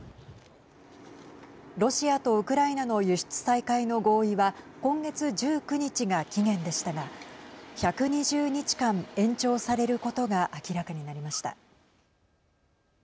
ロシアとウクライナの輸出再開の合意は今月１９日が期限でしたが１２０日間、延長されることが明らかになりました。